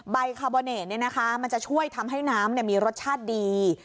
คาร์โบเนตมันจะช่วยทำให้น้ำมีรสชาติดี